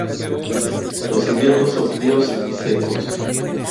Los inviernos son fríos y secos.